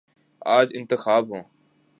آج انتخابات ہوں۔